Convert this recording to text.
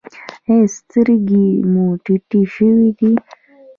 ایا سترګې مو تتې شوې دي؟